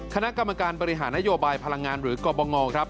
คณะกรรมการบริหารนโยบายพลังงานหรือกรบงครับ